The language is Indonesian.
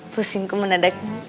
pusing ku menadak